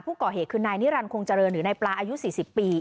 ผู้ก่อเหตุคือนายนิรันดิคงเจริญหรือนายปลาอายุ๔๐ปี